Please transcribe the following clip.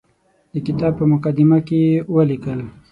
د کتاب په مقدمه کې یې ولیکل.